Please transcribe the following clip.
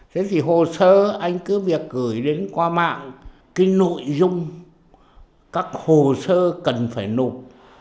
thế thì hồ sơ anh cứ việc gửi đến qua mạng cái nội dung các hồ sơ cần phải nộp